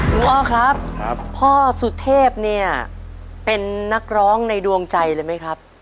อ้อครับพ่อสุเทพเนี่ยเป็นนักร้องในดวงใจเลยไหมครับ